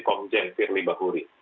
komjen firly bahuri